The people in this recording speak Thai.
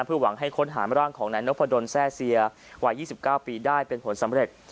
เพื่อหวังให้ค้นหาแม่ร่างของนันนกพระดนแทร่เซียวายยี่สิบเก้าปีได้เป็นผลสำเร็จ